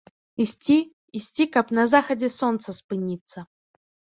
Ісці, ісці, каб на захадзе сонца спыніцца.